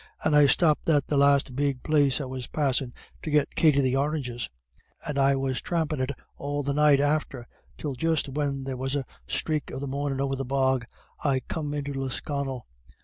And I stopped at the last big place I was passin' to get Katty the oranges. And I was thrampin' it all the night after, till just when there was a sthrake of the mornin' over the bog, I come into Lisconnel.